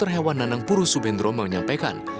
menang puru subendrom menyampaikan